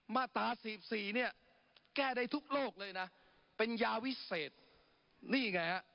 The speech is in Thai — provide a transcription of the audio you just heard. มาตรา๔๔เนี่ยแก้ได้ทุกโลกเลยนะเป็นยาวิเศษนี่ไงฮะ